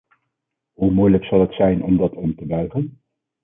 Hoe moeilijk zal het zijn om dat om te buigen!